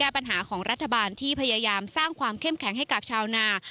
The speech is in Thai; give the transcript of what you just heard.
ปัญหาของรัฐบาลที่พยายามสร้างความเข้มแข็งให้กับชาวนา